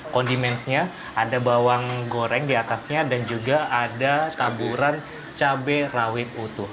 condimentsnya ada bawang goreng diatasnya dan juga ada taburan cabai rawit utuh